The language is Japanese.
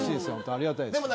ありがたいです。